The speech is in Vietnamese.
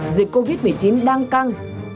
dịch covid một mươi chín đang kết thúc